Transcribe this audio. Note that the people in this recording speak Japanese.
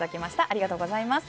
ありがとうございます。